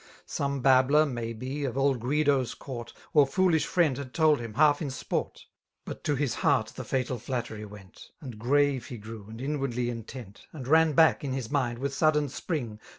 Some babbler, may be, of old Guido's court. Or foolish friend had told him, half in sport: ss But to his heart the falal flattery went; And grave he grew, and inwanliy intent. And ran back, in his mind, with sudden spring.